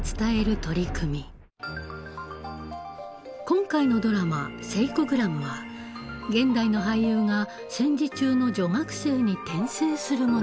今回のドラマ「セイコグラム」は現代の俳優が戦時中の女学生に転生する物語です。